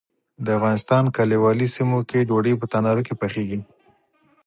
د افغانستان کلیوالي سیمو کې ډوډۍ په تناره کې پخیږي.